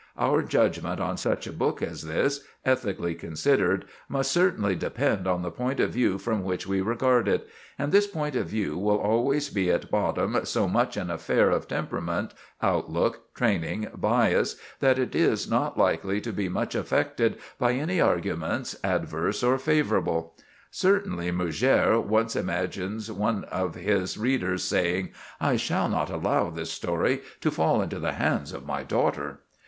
Our judgment on such a book as this, ethically considered, must finally depend on the point of view from which we regard it, and this point of view will always be at bottom so much an affair of temperament, outlook, training, bias, that it is not likely to be much affected by any arguments, adverse or favorable. "Certainly," Murger once imagines one of his readers saying, "I shall not allow this story to fall into the hands of my daughter."